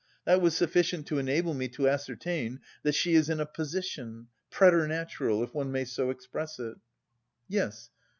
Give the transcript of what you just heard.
That was sufficient to enable me to ascertain that she is in a position preternatural, if one may so express it." "Yes...